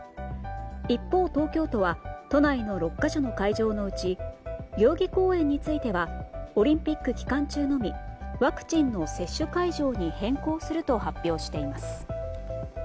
一方、東京都は都内の６か所の会場のうち代々木公園についてはオリンピック期間中にのみワクチンの接種会場に変更すると発表しています。